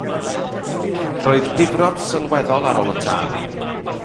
Roedd difrod sylweddol ar ôl y tân.